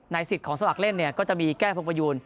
ในสิทธิ์ของสมัครเล่นก็จะมีแก้พรพยูน